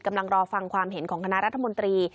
รอฟังความเห็นของคณะรัฐมนตรี